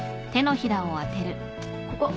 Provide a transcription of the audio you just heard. ここ。